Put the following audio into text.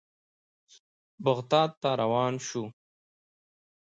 بغداد ته روان شوو.